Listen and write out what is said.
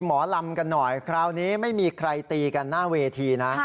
หมอลำกันหน่อยคราวนี้ไม่มีใครตีกันหน้าเวทีนะ